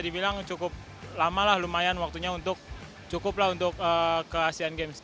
dibilang cukup lama lah lumayan waktunya untuk cukup lah untuk ke asean games